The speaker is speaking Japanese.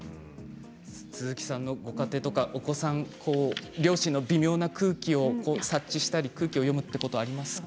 鈴木さんのご家庭とかお子さん、両親の微妙な空気を察知したりということはありますか？